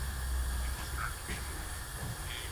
د مورنۍ ژبي رول په زده کړه کي ډیر مهم دی.